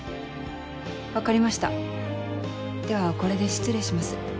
分かりましたではこれで失礼します。